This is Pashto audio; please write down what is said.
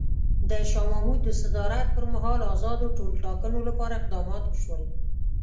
د شاه محمود د صدارت پر مهال ازادو ټولټاکنو لپاره اقدامات وشول.